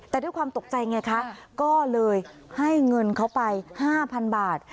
แต่ด้วยความตกใจไงคะก็เลยให้เงินเขาไป๕๐๐๐บาท